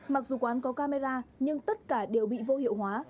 mặc dù quán có camera nhưng tất cả đều bị vô hiệu hóa